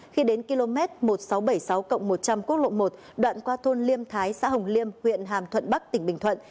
khi đến km một nghìn sáu trăm bảy mươi sáu một trăm linh quốc lộ một đoạn qua thôn liêm thái xã hồng liêm huyện hàm thuận bắc tỉnh bình thuận